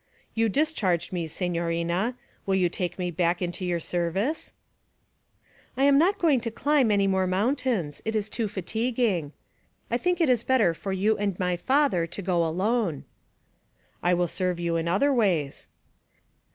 'You discharged me, signorina; will you take me back into your service?' 'I am not going to climb any more mountains; it is too fatiguing. I think it is better for you and my father to go alone.' 'I will serve you in other ways.'